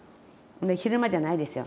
昼間じゃないですよ。